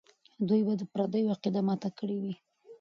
دوی به د پردیو عقیده ماته کړې وي.